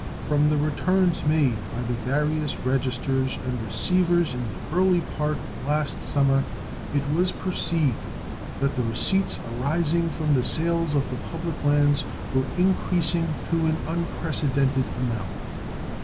From the returns made by the various registers and receivers in the early part of last summer it was perceived that the receipts arising from the sales of the public lands were increasing to an unprecedented amount.